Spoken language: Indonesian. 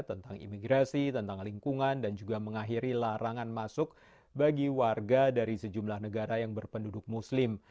tentang imigrasi tentang lingkungan dan juga mengakhiri larangan masuk bagi warga dari sejumlah negara yang berpenduduk muslim